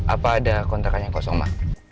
apa ada kontrakannya kosong ma